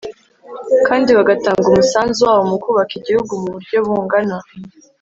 kandi bagatanga umusanzu wabo mu kubaka igihugu mu buryo bungana.